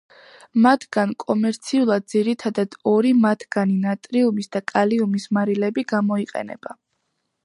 მათგან კომერციულად ძირითადათ ორი მათგანი ნატრიუმის და კალიუმის მარილები გამოიყენება.